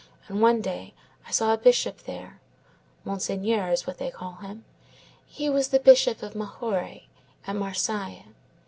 And one day I saw a bishop there. Monseigneur is what they call him. He was the Bishop of Majore at Marseilles.